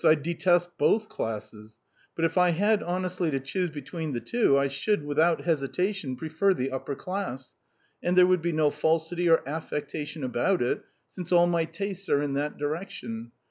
I detest both classes, but if I had honestly to choose between the two, I should without hesitation, prefer the upper class, and there would be no falsity or affectation about it, since all my tastes are in that direction.